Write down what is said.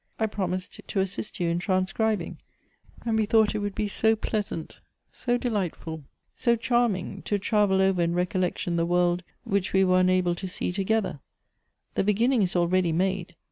I promised to assist you in transcribing ; and we thought it would be so pleasant, so delightful, so charming, to tra\'el over in rec ollection the world which we were unable to see together. The beginning is already made.